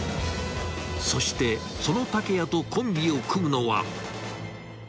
［そしてその竹谷とコンビを組むのは］